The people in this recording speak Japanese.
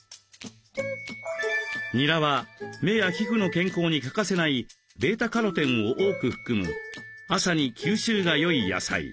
にらは目や皮膚の健康に欠かせないβカロテンを多く含む朝に吸収がよい野菜。